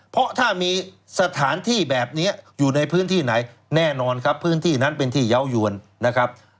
เพราะถ้ามีสถานที่แบบนี้อยู่ในพื้นที่ไหนแน่นอนครับพื้นที่นั้นเป็นที่เยาวยวนนะครับ